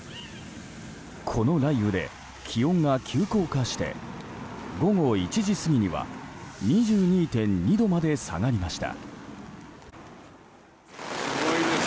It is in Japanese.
この雷雨で気温が急降下して午後１時過ぎには２２．２度まで下がりました。